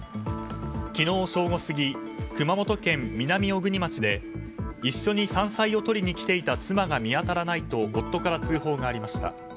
昨日正午過ぎ、熊本県南小国町で一緒に山菜を採りに来ていた妻が見当たらないと夫から通報がありました。